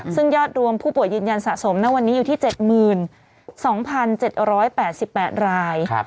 ซึ่งยอดรวมผู้ป่วยยืนยันสะสมณวันนี้อยู่ที่๗๒๗๘๘ราย